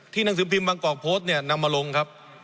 ที่นักศึกภิมพ์บางกอกพศเนี่ยนำมาลงครับ